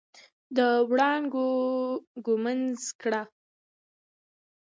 د وړانګو ږمنځ کړه